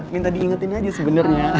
minta diingetin aja sebenernya